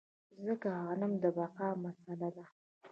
ځکه غنم د بقا مسئله ده.